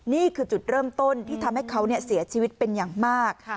นี่คือจุดเริ่มต้นที่ทำให้เขาเสียชีวิตเป็นอย่างมาก